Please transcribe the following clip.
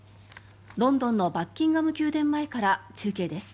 ロンドンのバッキンガム宮殿前から中継です。